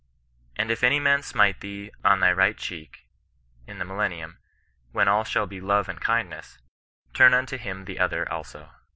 '^ And if any man smite thee on thy right cheek, in the millennium, when all shall be love and kindness, *' turn unto him the other also."